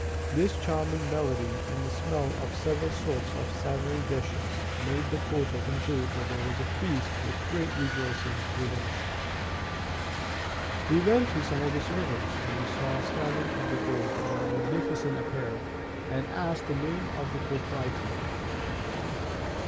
This charming melody, and the smell of several sorts of savory dishes, made the porter conclude there was a feast with great rejoicings within. He went to some of the servants, whom he saw standing at the gate in magnificent apparel, and asked the name of the proprietor.